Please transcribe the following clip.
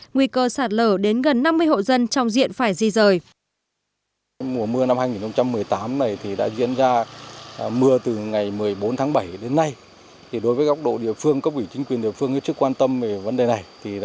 nguy cơ sạt lở đến gần năm mươi hộ dân trong diện phải di rời